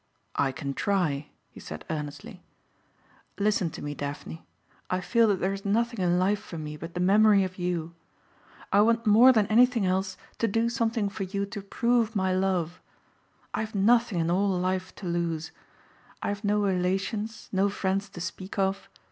"I can try," he said earnestly. "Listen to me, Daphne. I feel that there is nothing in life for me but the memory of you. I want more than anything else to do something for you to prove my love. I have nothing in all life to lose. I have no relations, no friends to speak of.